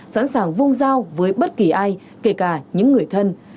sẵn sàng vung giao với bất kỳ ai kể cả những người thân